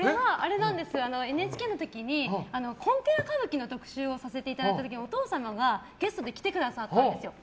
ＮＨＫの時に特集をさせていただいた時にお父様がゲストに来てくださったんですよ。